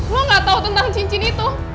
lo nggak tau tentang cincin itu